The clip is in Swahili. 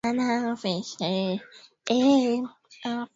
Tukisema sita akija akute kuna sita